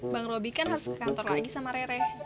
bang robi kan harus ke kantor lagi sama rere